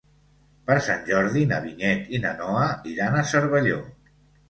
Per Sant Jordi na Vinyet i na Noa iran a Cervelló.